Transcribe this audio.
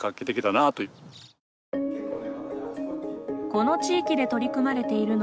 この地域で取り組まれているのは